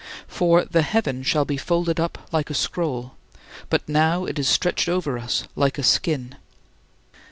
For "the heaven shall be folded up like a scroll"; but now it is stretched over us like a skin.